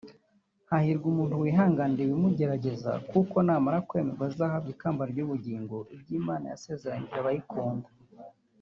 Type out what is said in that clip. Hahirwa umuntu wihanganira ibimugerageza kuko namara kwemerwa azahabwa ikamba ry’ubugingo iryo Imana yasezeranije abayikunda